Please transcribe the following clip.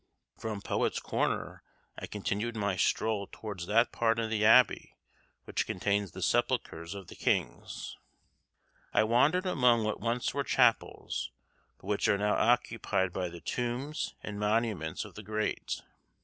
From Poet's Corner I continued my stroll towards that part of the abbey which contains the sepulchres of the kings. I wandered among what once were chapels, but which are now occupied by the tombs and monuments of the great.